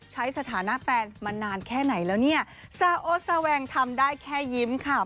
สถานะแฟนมานานแค่ไหนแล้วเนี่ยซาโอซาแวงทำได้แค่ยิ้มค่ะ